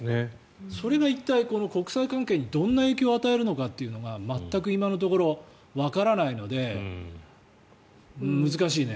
それが一体、国際関係にどんな影響を与えるのかというのが全く今のところわからないので難しいね。